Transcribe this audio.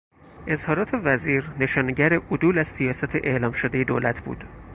اظهارات وزیر نشانگر عدول از سیاست اعلام شدهی دولت بود.